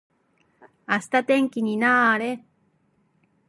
明日天気にな～れ。